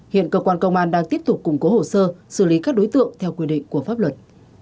hiện cơ quan công an đang tiếp tục củng cố hồ sơ xử lý các đối tượng theo quy định của pháp luật